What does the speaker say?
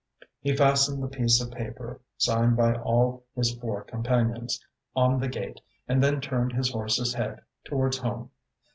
ŌĆØ He fastened the piece of paper, signed by all his four companions, on the gate, and then turned his horseŌĆÖs head towards home.